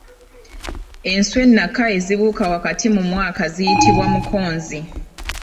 Enswa ennaka ezibuuka wakati mu mwaka ziyitibwa mukonzi.